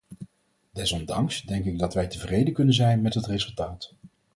Desondanks denk ik dat wij tevreden kunnen zijn met het resultaat.